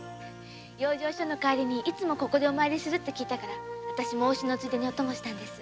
養生所の帰りにいつもお参りするって聞いて往診のついでにお供したんです。